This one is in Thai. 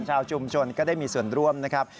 ชาวชุมชนก็ได้มีส่วนร่วมนะครับ